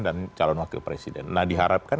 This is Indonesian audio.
dan calon wakil presiden nah diharapkan